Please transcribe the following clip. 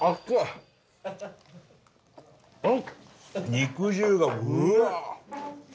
肉汁がうわ。